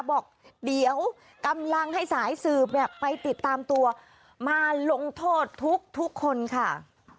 บอกเดี๋ยวกำลังให้สายสืบเนี่ยไปติดตามตัวมาลงโทษทุกคนค่ะ